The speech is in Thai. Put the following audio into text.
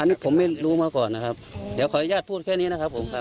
อันนี้ผมไม่รู้มาก่อนนะครับเดี๋ยวขออนุญาตพูดแค่นี้นะครับผมครับ